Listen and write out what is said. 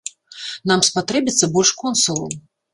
Нам спатрэбіцца больш консулаў.